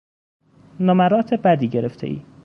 نمرات بدی گرفتهای.